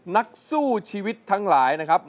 นักสู้ชีวิตทั้งหลายนะครับ